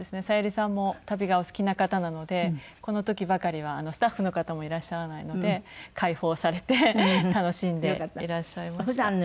小百合さんも旅がお好きな方なのでこの時ばかりはスタッフの方もいらっしゃらないので解放されて楽しんでいらっしゃいました。